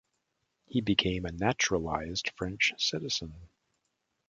He became a naturalized French citizen.